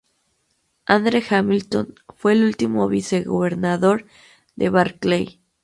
Andrew Hamilton fue el último vicegobernador de Barclay.